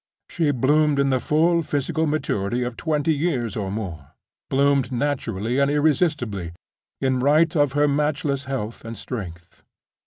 She bloomed in the full physical maturity of twenty years or more—bloomed naturally and irresistibly, in right of her matchless health and strength.